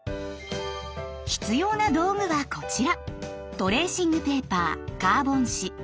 必要な道具はこちら。